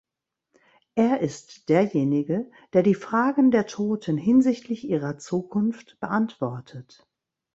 Er ist derjenige, der die Fragen der Toten hinsichtlich ihrer Zukunft beantwortet.